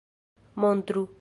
montru